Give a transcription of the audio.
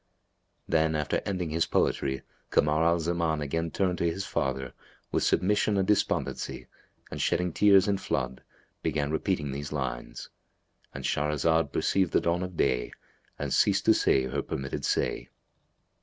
'" Then, after ending his poetry, Kamar al Zaman again turned to his father, with submission and despondency, and shedding tears in flood, began repeating these lines.—And Shahrazad perceived the dawn of day and ceased to say her permitted say.